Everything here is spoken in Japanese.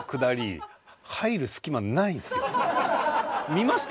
見ました？